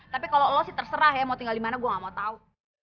tapi kalau lo sih terserah ya mau tinggal dimana gue gak mau tahu